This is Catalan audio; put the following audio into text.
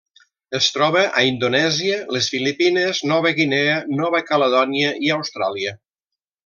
Es troba a Indonèsia, les Filipines, Nova Guinea, Nova Caledònia i Austràlia.